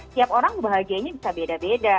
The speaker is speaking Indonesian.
tiap orang bahagianya bisa beda beda